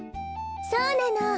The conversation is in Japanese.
そうなの。